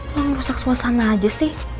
luang rusak suasana aja sih